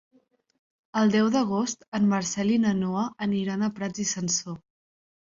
El deu d'agost en Marcel i na Noa aniran a Prats i Sansor.